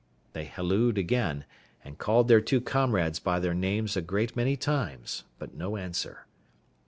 They hallooed again, and called their two comrades by their names a great many times; but no answer.